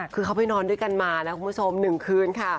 คือเขาไปนอนด้วยกันมานะคุณผู้ชม๑คืนค่ะ